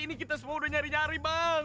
ini kita semua udah nyari nyari bang